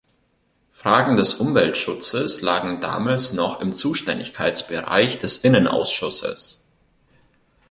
Fragen des Umweltschutzes lagen damals noch im Zuständigkeitsbereich des Innenausschusses.